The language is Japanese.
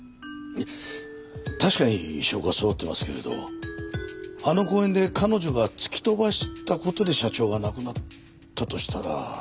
確かに証拠はそろってますけれどあの公園で彼女が突き飛ばした事で社長が亡くなったとしたら。